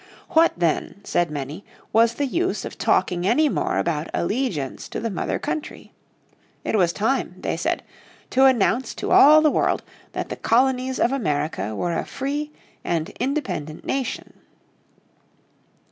What then, said many, was the use of talking any more about allegiance to the mother country? It was time, they said, to announce to all the world that the colonies of America were a free and independent nation.